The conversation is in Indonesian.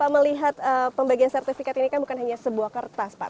melihat pembagian sertifikat ini kan bukan hanya sebuah kertas pak